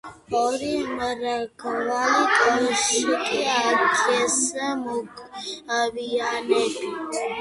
ორი მრგვალი კოშკი ააგეს მოგვიანებით.